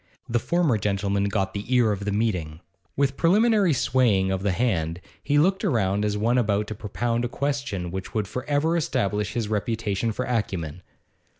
The former gentleman got the ear of the meeting. With preliminary swaying of the hand, he looked round as one about to propound a question which would for ever establish his reputation for acumen.